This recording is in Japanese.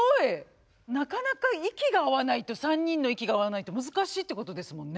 なかなか息が合わないと３人の息が合わないと難しいってことですもんね。